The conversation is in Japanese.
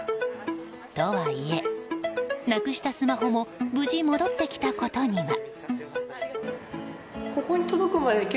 とはいえ、なくしたスマホも無事に戻ってきたことには。